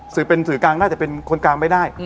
สื่อเป็นสื่อกลางน่าจะเป็นคนกลางไม่ได้